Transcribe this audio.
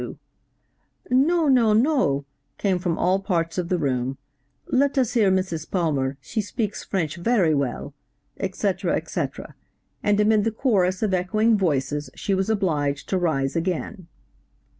'No, no, no,' came from all parts of the room; 'Let us hear Mrs. Palmer, she speaks French very well,' etc., etc., and amid the chorus of echoing voices she was obliged to rise again.